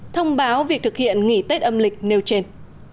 thông báo việc thực hiện nghỉ tết âm lịch nêu trên